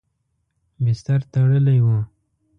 بستر تړلی و.